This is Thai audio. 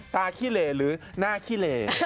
ขี้เหลหรือหน้าขี้เหล